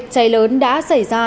cháy lớn đã xảy ra